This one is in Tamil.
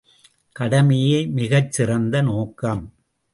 கடமையே மிகச்சிறந்த நோக்கம்.